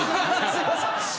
すいません。